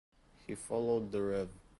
He followed the Rev.